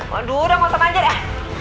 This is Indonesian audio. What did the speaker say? waduh udah mau teman aja deh